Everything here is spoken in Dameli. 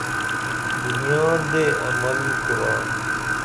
دنیا لے عمل کُرا